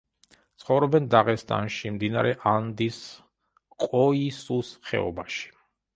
ცხოვრობენ დაღესტანში, მდინარე ანდის ყოისუს ხეობაში.